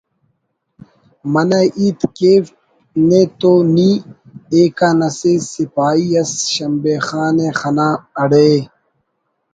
منہ ہیت کیو نے تو نی …… ایکان اسہ سپاہی اس شمبے خانءِ خنا…… اڑے